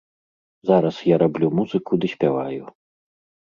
Зараз я раблю музыку ды спяваю.